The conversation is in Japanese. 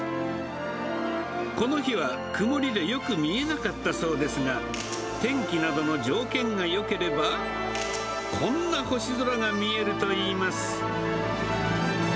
この日は曇りでよく見えなかったそうですが、天気などの条件がよければ、こんな星空が見えるといいます。